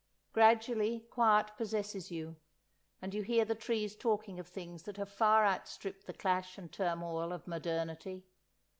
Gradually quiet possesses you, and you hear the trees talking of things that have far outstripped the clash and turmoil of modernity.